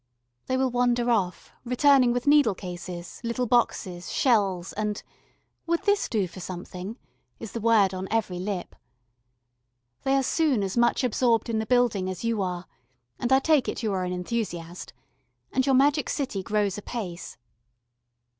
They will wander off, returning with needle cases, little boxes, shells and "Would this do for something?" is the word on every lip. They are soon as much absorbed in the building as you are and I take it you are an enthusiast and your magic city grows apace.